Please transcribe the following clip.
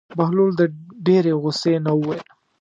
بهلول د ډېرې غوسې نه وویل.